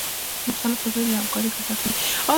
مختلف وګړي له همکارۍ ګټه اخلي.